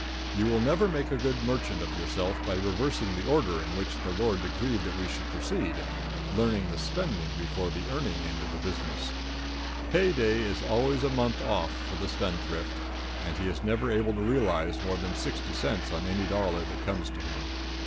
You will never make a good merchant of yourself by reversing the order in which the Lord decreed that we should proceed learning the spending before the earning end of business. Pay day is always a month off for the spend thrift, and he is never able to realize more than sixty cents on any dollar that comes to him.